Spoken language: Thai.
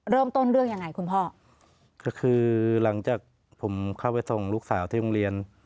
เริ่มต้นเรื่องยังไงคุณพ่อก็คือหลังจากผมเข้าไปส่งลูกสาวที่โรงเรียน